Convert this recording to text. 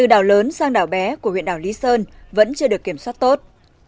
đảo lớn sang đảo bé của huyện đảo lý sơn vẫn chưa được kiểm soát tốt